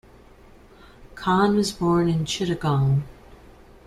Khan was born in Chittagong.